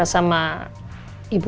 aku mau tidur